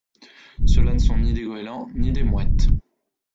ceux là ne sont ni des goëlands, ni des mouettes!